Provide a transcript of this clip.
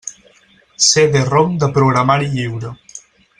CD-ROM de programari lliure.